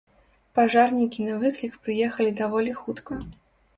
Пажарнікі на выклік прыехалі даволі хутка.